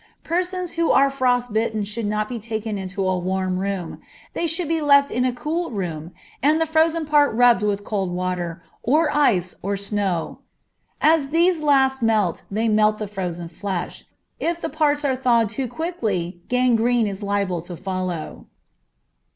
Persons who are frost bitten should not be taken into a warm room. They should be left in a cool room, and the frozen part rubbed with cold water, or ice, or snow. As these last melt they melt the frozen flesh. If the parts are thawed too quickly gangrene is liable to follow.